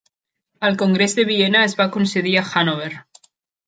El Congrés de Viena es va concedir a Hannover.